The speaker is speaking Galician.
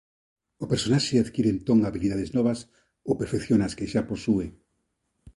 O personaxe adquire entón habilidades novas ou perfecciona as que xa posúe.